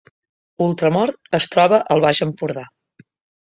Ultramort es troba al Baix Empordà